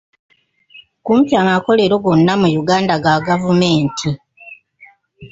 Kumpi amakomera gonna mu Uganda ga gavumenti.